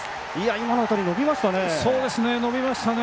今の当たり、伸びましたね。